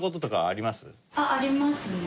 ありますね。